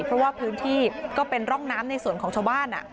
เพราะว่าพื้นที่ก็เป็นร่องน้ำในส่วนของชาวบ้าน